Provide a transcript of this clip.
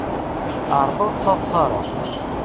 Ɛṛeḍ ur d-ttaḍṣa ara.